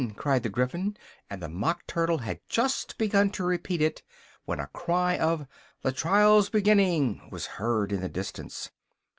cried the Gryphon, and the Mock Turtle had just begun to repeat it, when a cry of "the trial's beginning!" was heard in the distance.